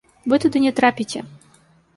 Вы туды не трапіце!